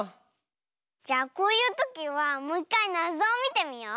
じゃこういうときはもういっかいなぞをみてみよう。